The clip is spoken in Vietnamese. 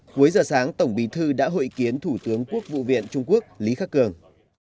cuối giờ sáng tổng bí thư đã hội kiến thủ tướng quốc vụ viện trung quốc lý khắc cường